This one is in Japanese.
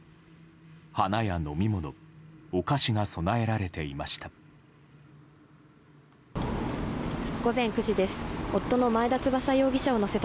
花や飲み物、お菓子が供えられていました。